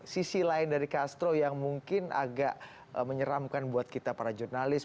sisi lain dari castro yang mungkin agak menyeramkan buat kita para jurnalis